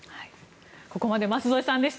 ここまで舛添さんでした。